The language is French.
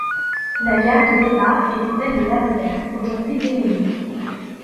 La gare de départ était celle de l'Allée Verte, aujourd'hui démolie.